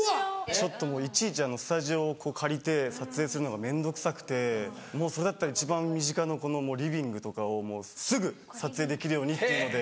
ちょっといちいちスタジオを借りて撮影するのが面倒くさくてもうそれだったら一番身近なリビングとかをすぐ撮影できるようにっていうので。